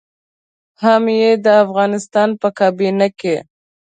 هم يې د افغانستان په کابينه کې.